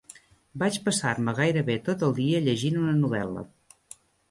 Vaig passar-me gairebé tot el dia llegint una novel·la